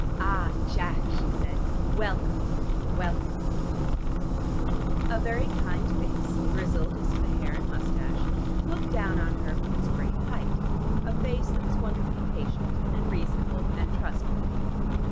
"Ah, Jack," she said. "Welcome, welcome!" A very kind face, grizzled as to the hair and mustache, looked down on her from its great height, a face that was wonderfully patient and reasonable and trustworthy.